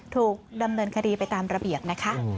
ถูกดำเนินคดีไปตามระเบียบนะคะ